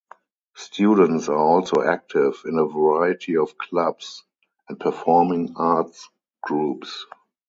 Students are also active in a variety of clubs and performing arts groups.